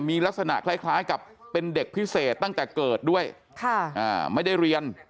มีลักษณะคล้ายกับเป็นเด็กพิเศษตั้งแต่เกิดด้วยไม่ได้เรียน